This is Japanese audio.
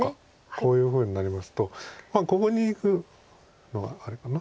こういうふうになりますとここにいくのがあれかな？